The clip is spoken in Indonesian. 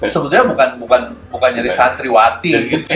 sebetulnya bukan nyari santriwati